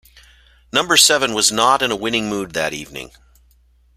Number seven was not in a winning mood that evening.